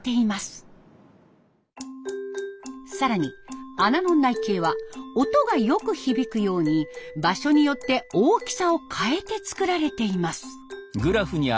更に穴の内径は音がよく響くように場所によって大きさを変えて作られています。